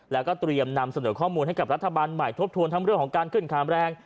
แล้วก็เตรียมนำเสนอข้อมูลให้กับรัฐบาลใหม่ทบทวนทั้งเรื่องของการขึ้นคามแรง